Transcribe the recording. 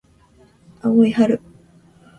青い春